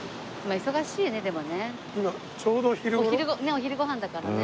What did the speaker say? ねっお昼ご飯だからね。